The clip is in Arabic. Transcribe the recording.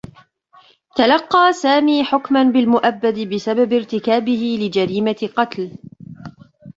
تلقّى سامي حكما بالمؤبّد بسبب ارتكابه لجريمة قتل.